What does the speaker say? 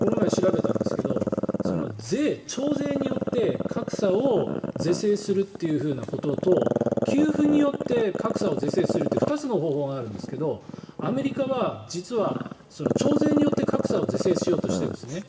この前調べたんですが徴税によって格差を是正するということと給付によって格差を是正するという２つの方法があるんですがアメリカは実は徴税によって格差を是正しようとしているんですね。